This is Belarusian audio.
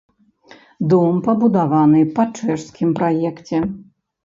Дом пабудаваны па чэшскім праекце.